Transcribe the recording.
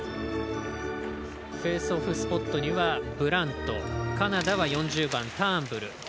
フェースオフスポットにはブラントカナダは４０番、ターンブル。